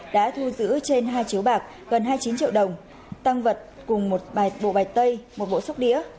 đã thu giữ trên hai chiếu bạc gần hai mươi chín triệu đồng tăng vật cùng một bạt bộ bạch tây một bộ sốc đĩa